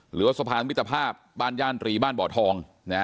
หรือว่าสะพานมิตรภาพบ้านย่านตรีบ้านบ่อทอง